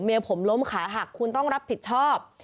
ผมล้มขาหักคุณต้องรับผิดชอบ